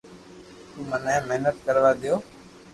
تو مني محنت ڪروا ديو